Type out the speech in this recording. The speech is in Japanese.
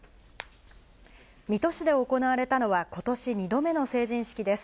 水戸市で行われたのは、ことし２度目の成人式です。